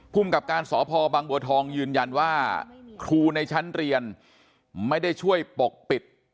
กับการสพบังบัวทองยืนยันว่าครูในชั้นเรียนไม่ได้ช่วยปกปิด